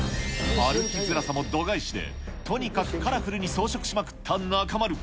歩きづらさも度外視で、とにかくカラフルに装飾しまくった中丸。